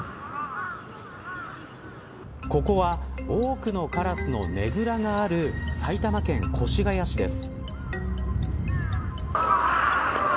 ここは多くのカラスのねぐらがある埼玉県越谷市です。